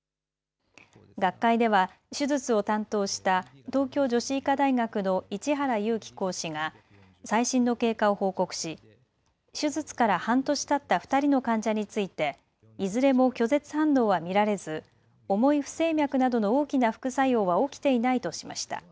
学会では手術を担当した東京女子医科大学の市原有起講師が最新の経過を報告し手術から半年たった２人の患者について、いずれも拒絶反応は見られず重い不整脈などの大きな副作用は起きていないとしました。